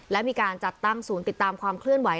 และมีการจัดตั้งศูนย์ติดตามความเคลื่อนไห